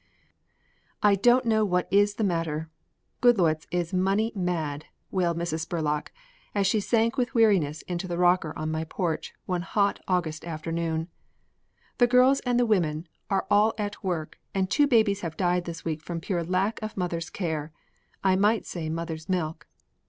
"I don't know what is the matter. Goodloets is money mad," wailed Mother Spurlock, as she sank with weariness into the rocker on my porch one hot August afternoon. "The girls and the women are all at work and two babies have died this week from pure lack of mother's care, I might say mother's milk.